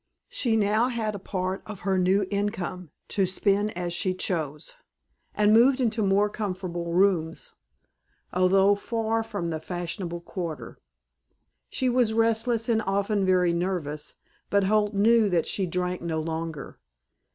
She now had a part of her new income to spend as she chose, and moved into more comfortable rooms, although far from the fashionable quarter. She was restless and often very nervous but Holt knew that she drank no longer.